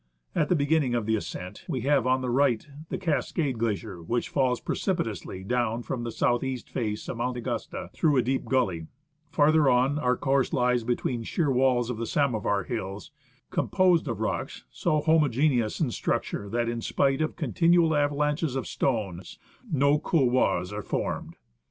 At the beginning of the ascent we have on the right the Cascade Glacier, which falls precipitously down from the south east face of Mount Augusta through a deep gully ; farther on, our course lies between sheer walls of the Samovar Hills, composed of rocks so homogeneous in structure that, in spite of continual avalanches of stones, no couloirs are formed.